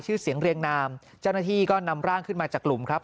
ชื่อเสียงเรียงนามเจ้าหน้าที่ก็นำร่างขึ้นมาจากหลุมครับ